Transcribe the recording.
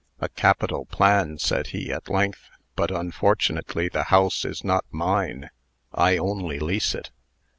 "A capital plan," said he, at length; "but, unfortunately, the house is not mine. I only lease it."